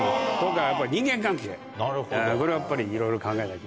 これをやっぱりいろいろ考えないと。